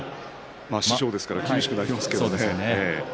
師匠ですから厳しくなりますけど。